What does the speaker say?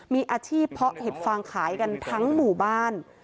มีอาชีพเพาะเห็ดฟางขายกันทั้งหมู่บ้าน